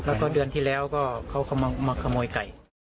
แล้วก็เดือนที่แล้วก็เขามาขโมยไก่